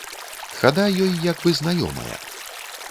Хада ёй як бы знаёмая.